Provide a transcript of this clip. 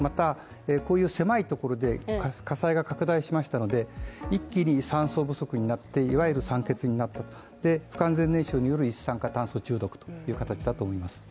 またこういう狭いところで火災が拡大しましたので、一気に酸素不足になっていわゆる酸欠になったで不完全燃焼による一酸化炭素中毒という形だと思います。